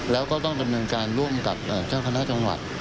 แล้วก็ต้องดำเนินการร่วมกับเจ้าคณะจังหวัด